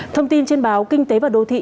thông tin trên báo kinh tế và đô thị